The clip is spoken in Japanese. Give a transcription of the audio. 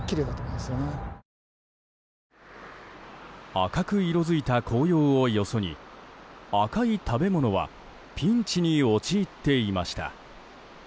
赤く色づいた紅葉をよそに赤い食べ物はピンチに陥っていました。